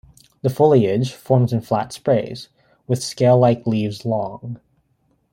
The foliage forms in flat sprays with scale-like leaves long.